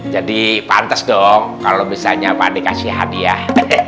jadi pantas dong kalau misalnya pak de kasih hadiah